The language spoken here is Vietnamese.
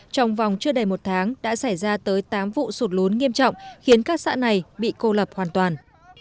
trong vòng chưa đầy một tháng đã xảy ra tới tám vụ sụt lún nghiêm trọng khiến các xã này bị cô lập hoàn toàn